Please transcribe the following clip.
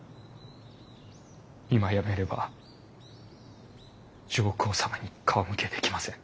今やめれば上皇様に顔向けできません。